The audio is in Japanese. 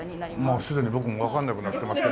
もうすでに僕もわかんなくなってきましたけど。